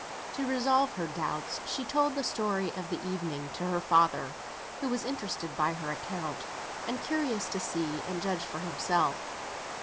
To resolve her doubts, she told the history of the evening to her father, who was interested by her account, and curious to see and judge for himself.